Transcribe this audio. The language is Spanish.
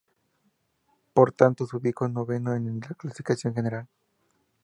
Por tanto, se ubicó noveno en la clasificación general.